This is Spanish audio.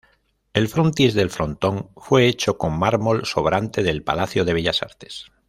El frontis del frontón fue hecho con mármol sobrante del Palacio de Bellas Artes.